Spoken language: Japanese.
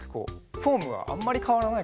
フォームはあんまりかわらないかな。